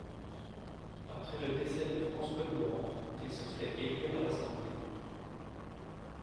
Après le décès de François Durand, il se fait élire à l'assemblée.